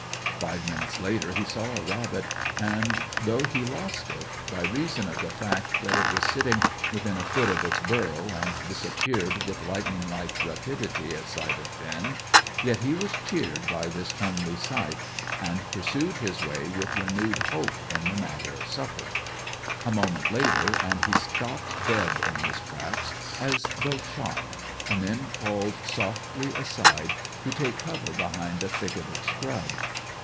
Five minutes later he saw a rabbit, and though he lost it, by reason of the fact that it was sitting within a foot of its burrow and disappeared with lightning like rapidity at sight of Finn, yet he was cheered by this homely sight, and pursued his way with renewed hope in the matter of supper. A moment later and he stopped dead in his tracks as though shot, and then crawled softly aside to take cover behind a thicket of scrub.